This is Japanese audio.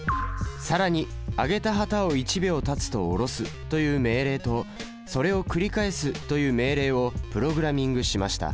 更に「上げた旗を１秒たつと下ろす」という命令とそれを繰り返すという命令をプログラミングしました。